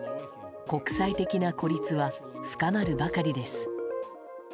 国際的な孤立は深まるばかりです。